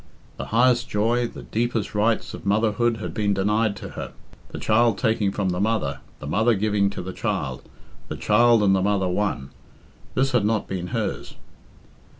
The highest joys, the deepest rights of motherhood had been denied to her the child taking from the mother, the mother giving to the child, the child and the mother one : this had not been hers.